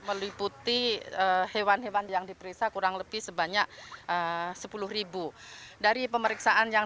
meliputi hewan hewan yang diperiksa kurang lebih sebanyak sepuluh ribu dari pemeriksaan yang